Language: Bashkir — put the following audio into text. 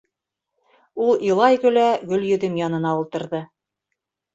— Ул илай-көлә Гөлйөҙөм янына ултырҙы.